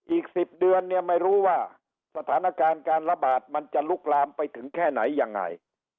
อีก๑๐เดือนเนี่ยไม่รู้ว่าสถานการณ์การระบาดมันจะลุกลามไปถึงแค่ไหนยังไง